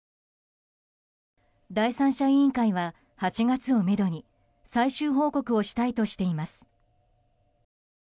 第三者委員会は８月をめどに最終報告をしたいとしています。